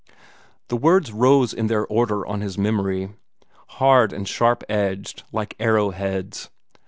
The words rose in their order on his memory, hard and sharp edged, like arrow heads.